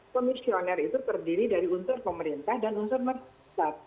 komisioner itu terdiri dari unsur pemerintah dan unsur masyarakat